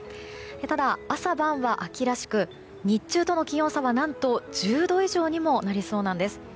ただ朝晩は秋らしく日中との気温差が何と１０度以上にもなりそうなんです。